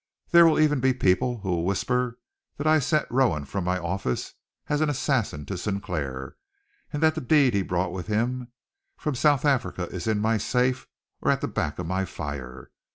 There will even be people who will whisper that I sent Rowan from my office as an assassin to Sinclair, and that the deed he brought with him from South Africa is in my safe, or at the back of my fire.